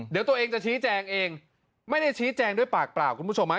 เดี๋ยวตัวเองจะชี้แจงเองไม่ได้ชี้แจงด้วยปากเปล่าคุณผู้ชมฮะ